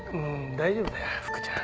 大丈夫だよ福ちゃん。